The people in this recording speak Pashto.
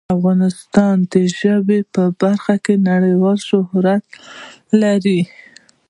افغانستان د ژبې په برخه کې نړیوال شهرت لري.